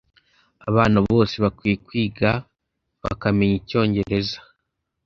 abana bose bakwiye kwiga bakamenya Icyongereza